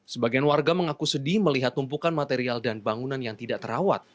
sebagian warga mengaku sedih melihat tumpukan material dan bangunan yang tidak terawat